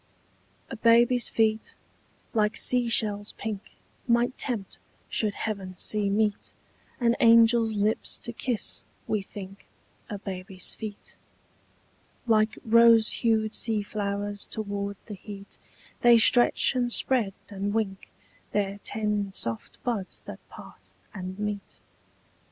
A BABY'S feet, like sea shells pink, Might tempt, should heaven see meet, An angel's lips to kiss, we think, A baby's feet. Like rose hued sea flowers toward the heat They stretch and spread and wink Their ten soft buds that part and meet.